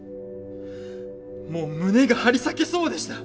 もう胸が張り裂けそうでした！